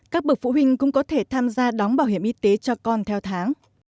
các bậc phụ huynh cũng có thể tham gia đóng bảo hiểm y tế cho con theo tháng